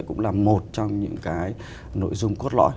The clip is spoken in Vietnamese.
cũng là một trong những cái nội dung cốt lõi